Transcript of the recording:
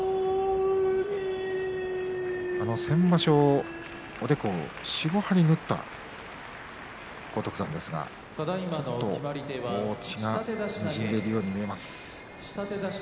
先場所おでこを４、５針、縫った荒篤山ですがちょっと血がにじんでいるように見えます。